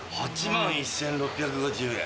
６８万１，６５０円。